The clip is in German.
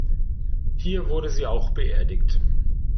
Hier wurde sie auch beerdigt.